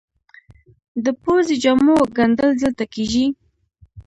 د پوځي جامو ګنډل دلته کیږي؟